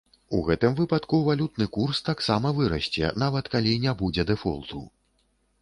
У гэтым выпадку валютны курс таксама вырасце, нават калі не будзе дэфолту.